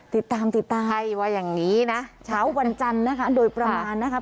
อ๋อที่ตามช้าววันจันทร์นะคะโดยประมาณนะครับ